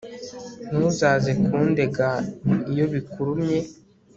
Ntuzaze kundega iyo bikurumye